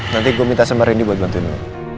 nanti gue minta sama rendy buat bantuin lo